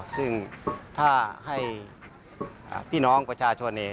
ซึ่งถ้าให้พี่น้องประชาชนเอง